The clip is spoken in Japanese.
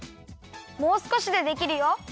もうすこしでできるよ。